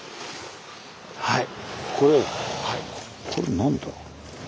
はい。